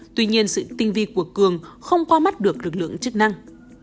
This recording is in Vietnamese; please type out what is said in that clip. tuy nhiên sự tinh vi của cường không qua mắt được lực lượng chức năng